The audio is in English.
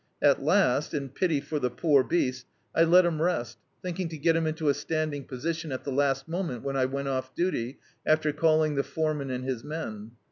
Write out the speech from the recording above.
At last, in pity for the poor beast, I let him rest, thtoking to get him into a standing position at the last moment, when I went off duty, after calling the foreman and his men.